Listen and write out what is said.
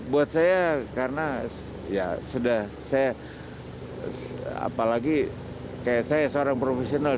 buat saya karena ya sudah saya apalagi kayak saya seorang profesional